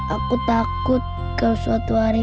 aku takut kau suatu hari